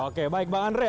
oke baik bang andre